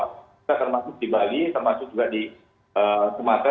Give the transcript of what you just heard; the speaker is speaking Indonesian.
kita termasuk di bali termasuk juga di sumatera